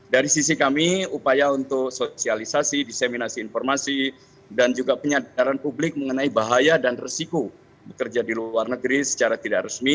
dari sisi kami upaya untuk sosialisasi diseminasi informasi dan juga penyadaran publik mengenai bahaya dan resiko bekerja di luar negeri secara tidak resmi